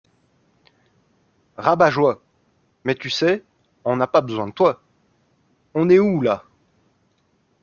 Rabat-joie ! Mais tu sais, on n’a pas besoin de toi. On est où, là ?